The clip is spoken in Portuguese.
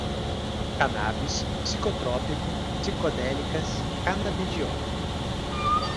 cannabis, psicotrópico, psicodélicas, canabidiol